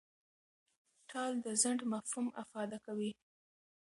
ټال د ځنډ مفهوم افاده کوي.